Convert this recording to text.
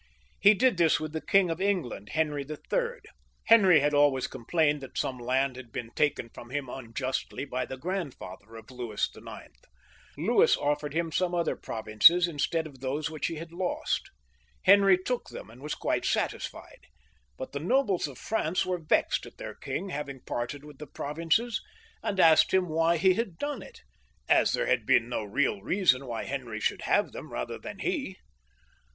He did this with the King of England, Henry III. Henry had always complained that some land had been taken from him XIX.] LOUIS IX. {SAINT LOUIS), 119 unjustly by the grandfather of Louis IX. Louis offered him some other provinces instead of those which he had lost. Henry took them and was quite satisfied, but the nobles of France were vexed at their king having parted with the provinces, and asked him why he had done it, as there had been no real reason why Henry should have them rather than he.